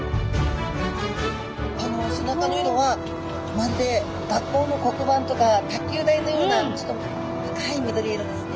あの背中の色はまるで学校の黒板とか卓球台のようなちょっと深い緑色ですね。